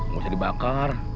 gak usah dibakar